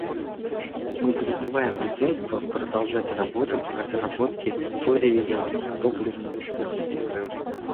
Мы призываем Агентство продолжать работу по разработке ториевого топливного цикла.